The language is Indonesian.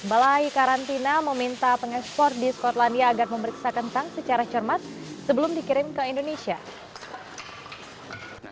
balai karantina meminta pengekspor di skotlandia agar memeriksa kentang secara cermat sebelum dikirim ke indonesia